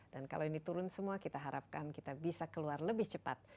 dan kalau ini turun semua kita harapkan kita bisa keluar lebih cepat